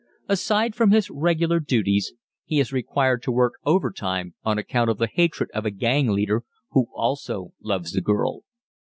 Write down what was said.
Aside from his regular duties, he is required to work overtime on account of the hatred of a gang leader who also loves the girl.